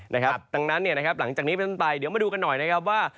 นะครับดังนั้นเนี่ยนะครับหลังจากนี้ไปตั้งแต่เดี๋ยวมาดูกันหน่อยนะครับว่า